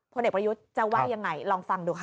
เด็กประยุทธ์จะว่ายังไงลองฟังดูค่ะ